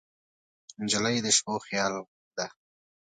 نجلۍ د شپو خیال ده.